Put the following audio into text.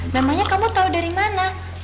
namanya kamu tahu dari mana